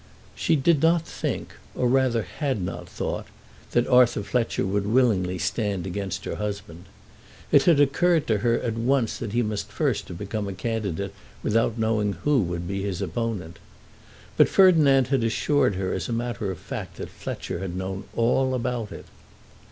She did not think, or rather had not thought, that Arthur Fletcher would willingly stand against her husband. It had occurred to her at once that he must first have become a candidate without knowing who would be his opponent. But Ferdinand had assured her as a matter of fact that Fletcher had known all about it.